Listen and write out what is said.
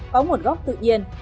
có một góc tự nhiên